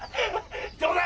どうだ！？